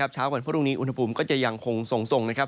เช้าก่อนพรุ่งนี้อุณหภูมิก็จะยังคงส่ง